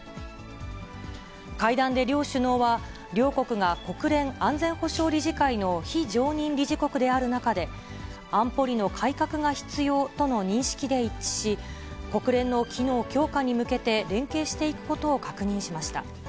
会談で両首脳は、両国が国連安全保障理事会の非常任理事国である中で、安保理の改革が必要との認識で一致し、国連の機能強化に向けて連携していくことを確認しました。